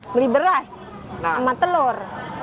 beli beras sama telur